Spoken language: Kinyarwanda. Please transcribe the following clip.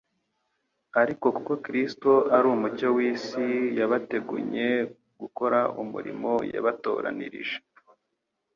ariko kuko Kristo ari Umucyo w'isi yabategunye gukora umurimo yabatoranirije.